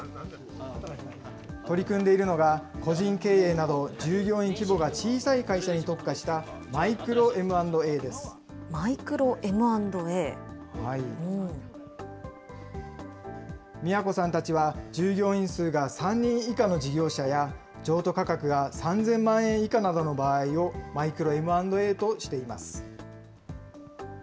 取り組んでいるのが、個人経営など従業員規模が小さい会社に特化したマイクロＭ＆ＡでマイクロＭ＆Ａ？都さんたちは従業員数が３人以下の事業者や、譲渡価格が３０００万円以下などの場合をマイクロＭ＆Ａとしています。